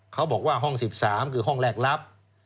เขาบอกว่าห้อง๑๓คือห้องแรกลับ